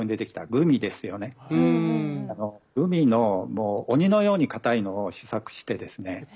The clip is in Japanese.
グミの鬼のようにかたいのを試作してですね